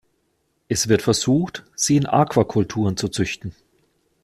Es wird versucht sie in Aquakulturen zu züchten.